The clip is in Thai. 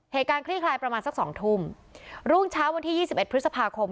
เหตุการณ์คลิกลายประมาณสัก๒ทุ่มรุ่งเช้าวันที่๒๑พฤษภาคม